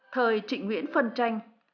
thời trịnh nguyễn phân tranh